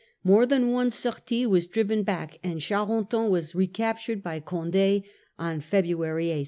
More than one sortie was driven back, and Charenton was recaptured by Condd on February 8.